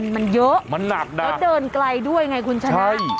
มันเยอะมันหนักนะแล้วเดินไกลด้วยไงคุณชนะ